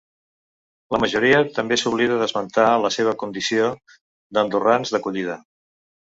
La majoria també s’oblida d’esmentar la seva condició d’andorrans d’acollida.